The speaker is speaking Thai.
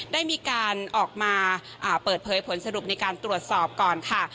ได้มีการออกมาเปิดเผยผลสรุปในการตรวจสอบก่อนค่ะ